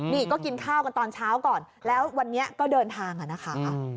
นี่ก็กินข้าวกันตอนเช้าก่อนแล้ววันนี้ก็เดินทางนะคะ